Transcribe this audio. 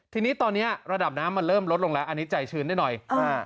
ทีนี้ตอนนี้ระดับน้ำมันเริ่มลดลงแล้วอันนี้ใจชื้นได้หน่อย